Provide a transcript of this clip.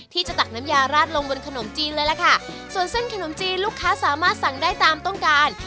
ตักน้ำยาราดลงบนขนมจีนเลยล่ะค่ะส่วนเส้นขนมจีนลูกค้าสามารถสั่งได้ตามต้องการ